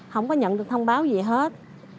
không có nhận được thông báo gì hết